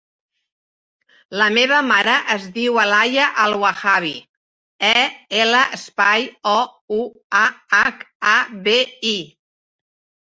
La meva mare es diu Alaia El Ouahabi: e, ela, espai, o, u, a, hac, a, be, i.